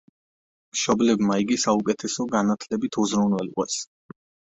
მშობლებმა იგი საუკეთესო განათლებით უზრუნველყვეს.